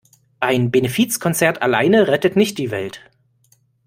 Ein Benefizkonzert alleine rettet nicht die Welt.